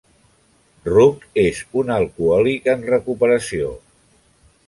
Rook és una alcohòlica en recuperació.